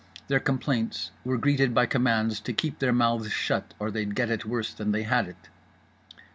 Their complaints were greeted by commands to keep their mouths shut or they'd get it worse than they had it.